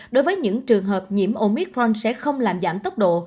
đối với những trường hợp nhiễm omitron sẽ không làm giảm tốc độ